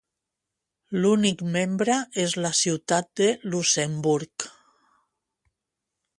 L'únic membre és la ciutat de Luxemburg.